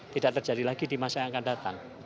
tidak terjadi lagi di masa yang akan datang